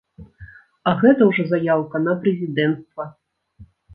А гэта ўжо заяўка на прэзідэнцтва!